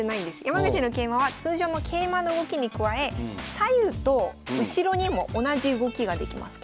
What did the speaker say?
山口の桂馬は通常の桂馬の動きに加え左右と後ろにも同じ動きができます。